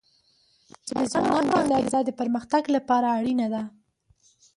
د ځوانانو انګیزه د پرمختګ لپاره اړینه ده.